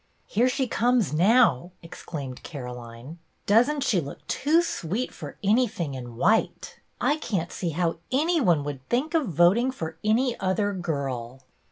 " Here she comes now !" exclaimed Caro line. " Does n't she look too sweet for anything in white! I can't see how any 256 BETTY BAIRD one would think of voting for any other girl."